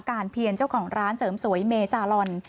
เพียรเจ้าของร้านเสริมสวยเมซาลอน